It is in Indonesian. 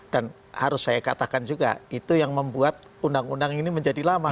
dan harus saya katakan juga itu yang membuat undang undang ini menjadi lama